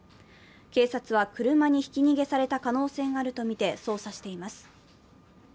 警察は車にひき逃げされた可能性があるとみて捜査しています。